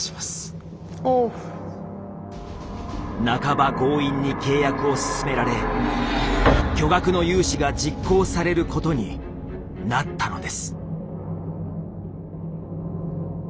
半ば強引に契約を進められ巨額の融資が実行されることになったのです。